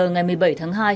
ngày một mươi bảy tháng hai